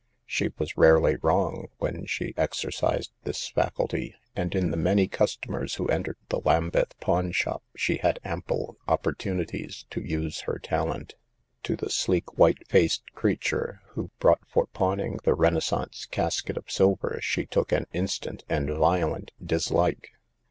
She was rarely wrong when she ex ercised this faculty ; and in the many customers who entered the Lambeth pawn shop she had ample opportunities to use her talent. To the sleek, white faced creature who brought for pawning the Renaissance casket of silver she took an instant and violent dislike.